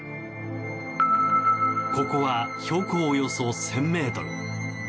ここは標高およそ１０００ｍ。